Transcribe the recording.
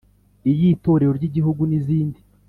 iy’itorero ry’igihugu n’izindi.